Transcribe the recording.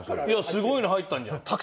いやすごいの入ったんじゃない？